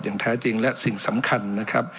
แท้จริงและสิ่งสำคัญนะครับ